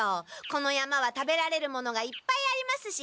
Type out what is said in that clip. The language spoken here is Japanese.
この山は食べられるものがいっぱいありますし。